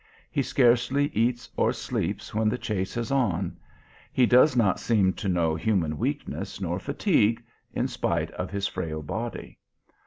He scarcely eats or sleeps when the chase is on, he does not seem to know human weakness nor fatigue, in spite of his frail body.